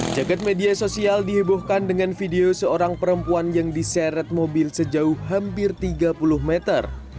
jagat media sosial dihebohkan dengan video seorang perempuan yang diseret mobil sejauh hampir tiga puluh meter